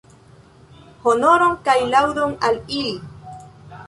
Honoron kaj laŭdon al ili!